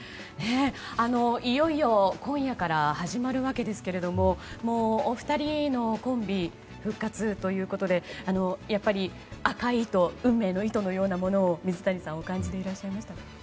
いよいよ今夜から始まるわけですけれどももうお二人のコンビ復活ということでやっぱり赤い糸運命の糸のようなものを水谷さんお感じでいらっしゃいましたか？